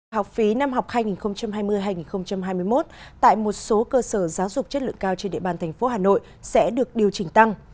học phí năm học hai nghìn hai mươi hai nghìn hai mươi một tại một số cơ sở giáo dục chất lượng cao trên địa bàn thành phố hà nội sẽ được điều chỉnh tăng